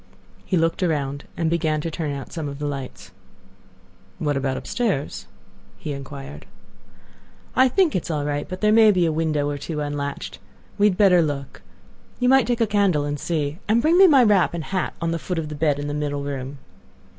He looked around, and began to turn out some of the lights. "What about upstairs?" he inquired. "I think it is all right; but there may be a window or two unlatched. We had better look; you might take a candle and see. And bring me my wrap and hat on the foot of the bed in the middle room."